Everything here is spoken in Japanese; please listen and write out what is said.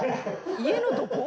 家のどこ？